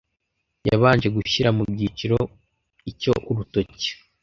yabanje gushyira mu byiciro icyo Urutoki